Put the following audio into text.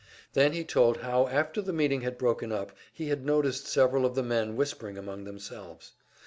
Then he told how after the meeting had broken up he had noticed several of the men whispering among themselves.